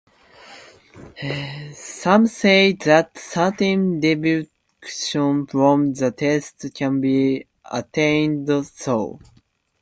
Some say that certain deduction from the tests can be attained, though.